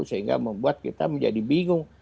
sehingga membuat kita menjadi bingung